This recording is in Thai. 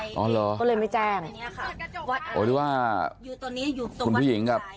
อ๋อเหรอก็เลยไม่แจ้งนี่ค่ะหรือว่าอยู่ตรงนี้อยู่ตรงวันสุดท้าย